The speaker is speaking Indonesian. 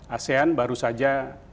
asean baru saja